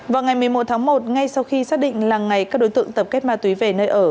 vào ngày một mươi một tháng một ngay sau khi xác định là ngày các đối tượng tập kết ma túy về nơi ở